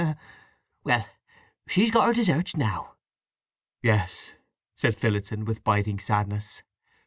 Haw haw! Well; she's got her deserts now." "Yes," said Phillotson, with biting sadness.